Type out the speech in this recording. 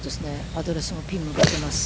アドレスもピンに向かっています。